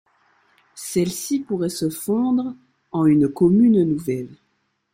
Celle-ci pourrait se fondre en une commune nouvelle.